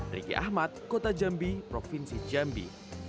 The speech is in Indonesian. riki ahmad kota jambi provinsi jambi